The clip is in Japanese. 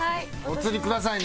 お釣りください。